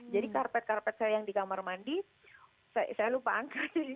jadi karpet karpet saya yang di kamar mandi saya lupa angkat